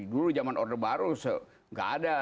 dulu jaman order baru gak ada